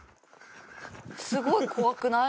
すごい怖くない？